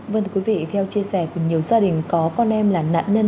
vâng thưa quý vị theo chia sẻ của nhiều gia đình có con em là nạn nhân